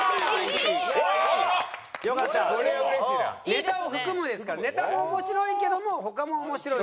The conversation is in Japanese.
「ネタを含む」ですからネタも面白いけども他も面白い。